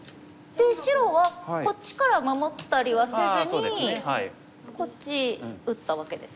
で白はこっちから守ったりはせずにこっち打ったわけですよね。